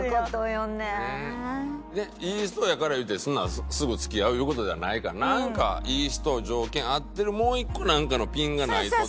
いい人やからいうてそんなすぐ付き合ういう事じゃないからなんかいい人条件合ってるもう１個なんかのピンがないとっていう事ですね。